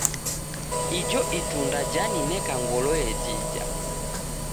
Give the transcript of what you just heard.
Ijo itunda janineka ngolo yejija.